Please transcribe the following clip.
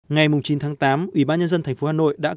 ngày chín tháng tám ubnd tp hà nội đã công nhận